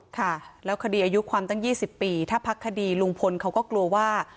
ค่ะแล้วคดีอายุความตั้ง๒๐ปีถ้าพักคดีลุงพลเขาก็กลัวว่า